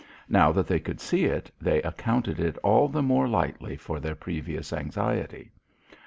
Now that they could see it, they accounted it all the more lightly for their previous anxiety.